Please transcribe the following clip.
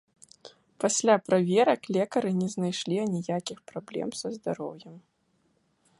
Пасля праверак, лекары не знайшлі аніякіх праблем са здароўем.